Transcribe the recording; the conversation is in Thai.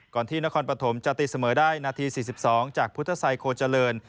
ที่นครปฐมจะตีเสมอได้นาที๔๒จากพุทธศัยโคเจริญ